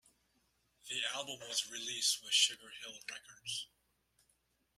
The album was released with Sugar Hill Records.